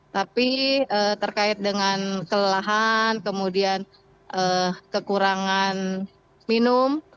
tapi terkait dengan kelelahan kemudian kekurangan minum